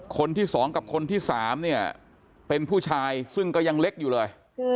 คนที่๒กับคนที่๓เนี่ยเป็นผู้ชายซึ่งก็ยังเล็กอยู่เลย